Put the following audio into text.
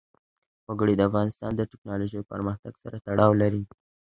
وګړي د افغانستان د تکنالوژۍ پرمختګ سره تړاو لري.